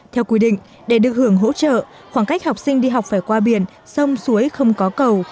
theo quy định để được hưởng hỗ trợ khoảng cách học sinh đi học phải qua biển sông suối không có cầu